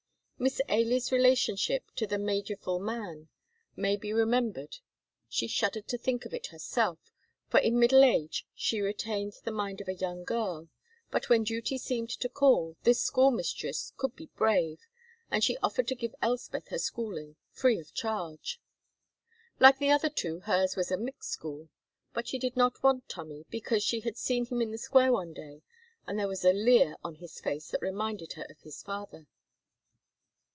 Miss Ailie's relationship to the magerful man may be remembered; she shuddered to think of it herself, for in middle age she retained the mind of a young girl, but when duty seemed to call, this school mistress could be brave, and she offered to give Elspeth her schooling free of charge. Like the other two hers was a "mixed" school, but she did not want Tommy, because she had seen him in the square one day, and there was a leer on his face that reminded her of his father.